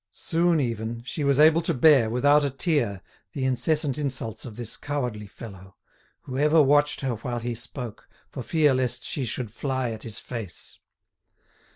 Soon even, she was able to bear, without a tear, the incessant insults of this cowardly fellow, who ever watched her while he spoke, for fear lest she should fly at his face.